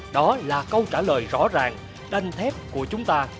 đó là câu trả lời rõ ràng đanh thép của chúng ta